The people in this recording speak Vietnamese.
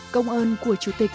công ơn của chủ tịch hồ chí minh